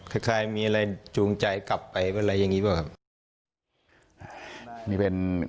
คล้ายคล้ายมีอะไรจูงใจกลับไปอะไรอย่างงี้บ้างครับนี่เป็น